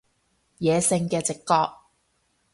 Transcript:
野性嘅直覺